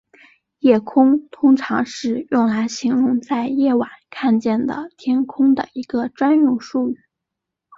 夜空通常是用来形容在夜晚看见的天空的一个专用术语。